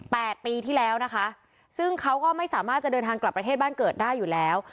ปีที่แล้วนะคะซึ่งเขาก็ไม่สามารถจะเดินทางกลับประเทศบ้านเกิดได้อยู่แล้ว